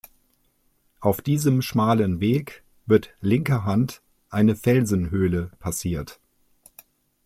Auf diesem schmalen Weg wird linker Hand eine Felsenhöhle passiert.